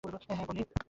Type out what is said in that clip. হ্যাঁ, বানি।